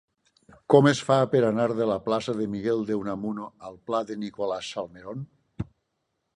Com es fa per anar de la plaça de Miguel de Unamuno al pla de Nicolás Salmerón?